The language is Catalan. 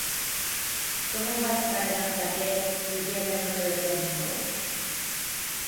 Com ho faig per anar al carrer d'Ojeda número trenta-nou?